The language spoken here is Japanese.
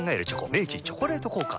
明治「チョコレート効果」